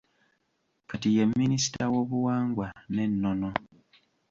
Kati ye minisita w’obuwangwa n’ennono.